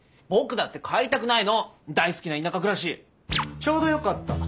ちょうどよかった。